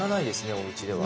おうちでは。